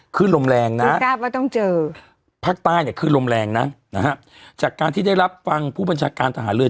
คลื่นลมแรงนะภาคใต้คลื่นลมแรงนะจากการที่ได้รับฟังผู้บัญชาการทหารเรือ